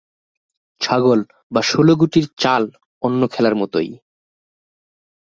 ছাগল বা ষোল গুটির চাল অন্য খেলার মতই।